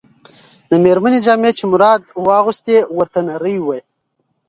د مېرمنې جامې چې مراد واغوستې، ورته نرۍ وې.